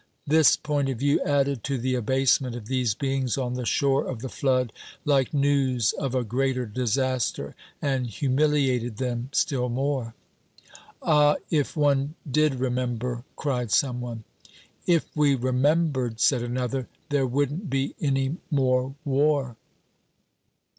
This point of view added to the abasement of these beings on the shore of the flood, like news of a greater disaster, and humiliated them still more. "Ah, if one did remember!" cried some one. "If we remembered," said another, "there wouldn't be any more war."